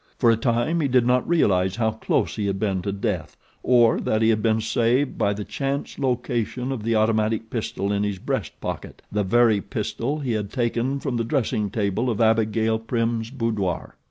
For a time he did not realize how close he had been to death or that he had been saved by the chance location of the automatic pistol in his breast pocket the very pistol he had taken from the dressing table of Abigail Prim's boudoir.